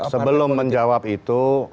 sebelum menjawab itu